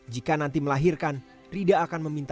jika nanti melahirkan rida akan meminta